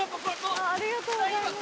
ありがとうございます。